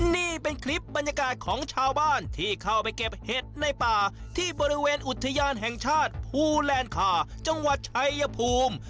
นี่เป็นคลิปบรรยากาศของชาวบ้านที่เข้าไปเก็บเห็ดในป่าที่บริเวณอุทยานแห่งชาติภูแลนด์คาจังหวัดชัยภูมิ